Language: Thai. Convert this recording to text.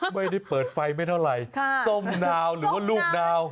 ไม่ได้เปิดไฟไม่เท่าไหร่ส้มนาวหรือว่าลูกดาว